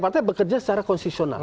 partai bekerja secara konstitusional